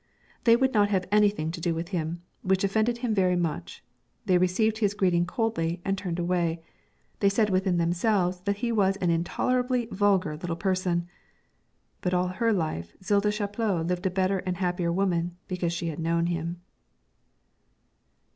They would not have anything to do with him, which offended him very much; they received his greeting coldly and turned away; they said within themselves that he was an intolerably vulgar little person. But all her life Zilda Chaplot lived a better and happier woman because she had known him.